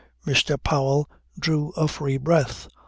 Mr. Powell drew a free breath.